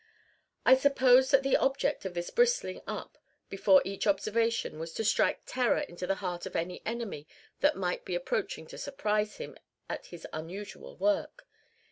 I suppose that the object of this bristling up before each observation was to strike terror into the heart of any enemy that might be approaching to surprise him at his unusual work.